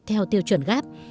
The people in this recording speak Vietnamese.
theo tiêu chuẩn gáp